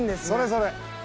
それそれ！